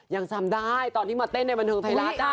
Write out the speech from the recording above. ยังจำได้ตอนที่มาเต้นในบันเทิงไทยรัฐ